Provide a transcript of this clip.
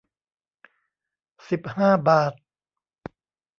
สิบห้าบาท